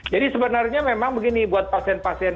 jadi sebenarnya memang begini buat pasien pasien